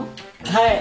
はい。